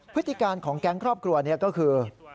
พฤติการของแก๊งครอบครัวนี้ก็คือ